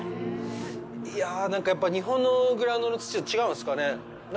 いや、なんか、やっぱり日本のグラウンドの土と違うんですかね。